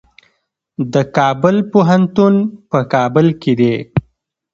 د کابل پوهنتون په کابل کې دی